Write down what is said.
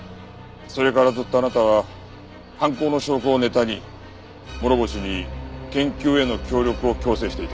それからずっとあなたは犯行の証拠をネタに諸星に研究への協力を強制していた。